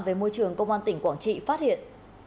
về môi trường công an tỉnh quảng trị phát hiện